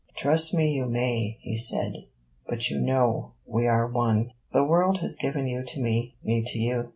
'Trust me you may,' he said. 'But you know we are one. The world has given you to me, me to you.